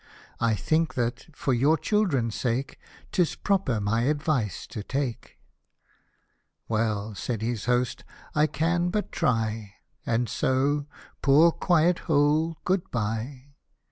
I think that, for your children's sake, 'Tis proper my advice to take." '' Well," said his host, " I can but try, And so, poor quiet hole, good bye!"